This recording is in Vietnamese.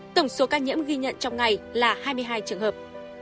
tổng số ca nhiễm ghi nhận trong ngày là hai mươi hai trường hợp